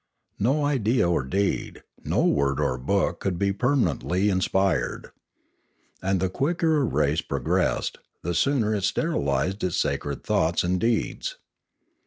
No idea or deed, no word or book could be permanently inspired. And the quicker a race pro gressed, the sooner it sterilised its sacred thoughts and deeds.